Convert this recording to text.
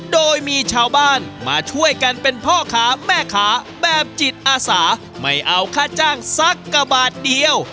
โดยมีชาวบ้านมาช่วยกันเป็นพ่อค้าแม่ค้าแบบจิตอาสาไม่เอาค่าจ้างสักกะบาทเดียว